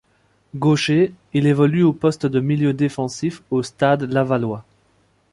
Gaucher, il évolue au poste de milieu défensif au Stade lavallois.